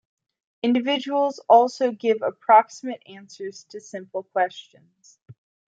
Individuals also give approximate answers to simple questions.